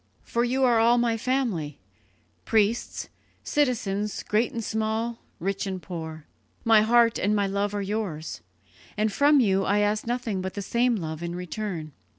For you are all my family priests, citizens, great and small, rich and poor. My heart and my love are yours, and from you I ask nothing but the same love in return.